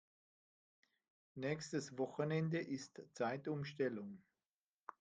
Nächstes Wochenende ist Zeitumstellung.